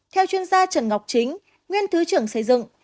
theo chuyên gia trần ngọc chính nguyên thứ trưởng xây dựng